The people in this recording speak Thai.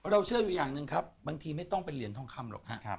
เชื่ออยู่อย่างหนึ่งครับบางทีไม่ต้องเป็นเหรียญทองคำหรอกครับ